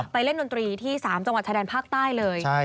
เล่นดนตรีที่๓จังหวัดชายแดนภาคใต้เลย